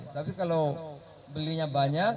tapi kalau belinya banyak